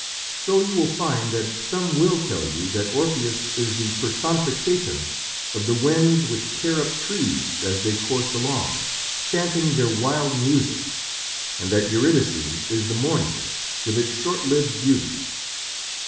So you will find that some will tell you that Orpheus is the personification of the winds which "tear up trees as they course along, chanting their wild music," and that Eurydice is the morning "with its short lived beauty."